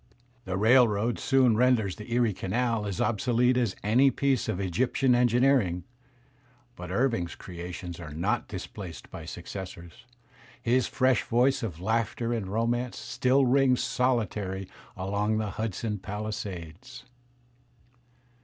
The railroad soon renders the Erie Canal as obsolete as any piece of Egyptian engineering; but Irving's creations are not displaced by successors; his fresh voice of laughter and romance still rings soUtaiy along the Hudson palisades.